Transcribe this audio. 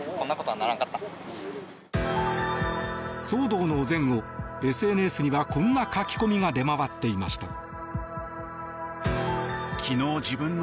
騒動の前後、ＳＮＳにはこんな書き込みが出回っていました。